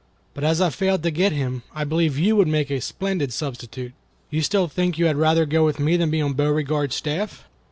But as I failed to get him, I believe you would make a splendid substitute. You still think you had rather go with me than be on Beauregard's staff?"